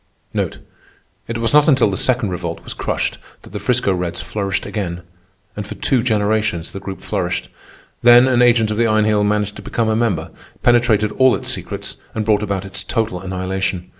It was not until the Second Revolt was crushed, that the 'Frisco Reds flourished again. And for two generations the Group flourished. Then an agent of the Iron Heel managed to become a member, penetrated all its secrets, and brought about its total annihilation.